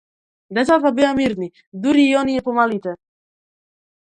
Децата беа мирни, дури и оние најмалите.